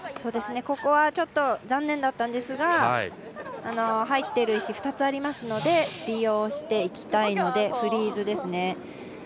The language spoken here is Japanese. ここはちょっと残念だったんですが入っている石が２つありますので利用していきたいのでフリーズですね。